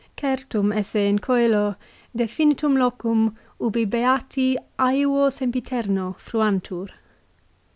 " Certum esse in cselo definitum locum, ubi beati aevo sempi terno fruantur."